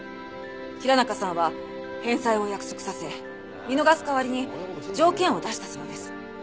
平中さんは返済を約束させ見逃す代わりに条件を出したそうです。